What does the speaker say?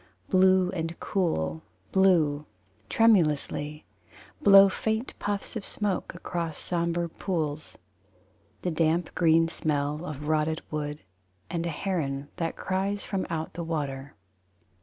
Blue and cool: Blue, tremulously, Blow faint puffs of smoke Across sombre pools. The damp green smell of rotted wood; And a heron that cries from out the water.